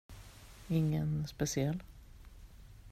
Ingen speciell.